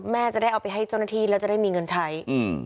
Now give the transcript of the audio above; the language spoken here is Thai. แม่จะได้เอาไปให้เจ้าหน้าที่แล้วจะได้มีเงินใช้อืม